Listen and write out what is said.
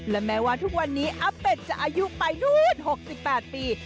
และแม้ว่าทุกวันนี้อาเป็ดจะอายุไปนู่น๖๘ปี